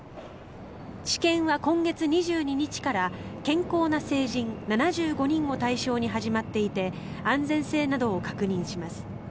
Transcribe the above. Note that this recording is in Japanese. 治験は今月２２日から健康な成人７５人を対象に始まっていて安全性などを確認します。